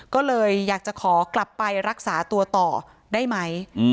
ก็เลยอยากจะขอกลับไปรักษาตัวต่อได้ไหม